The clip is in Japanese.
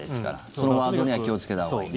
そのワードには気をつけたほうがいいね。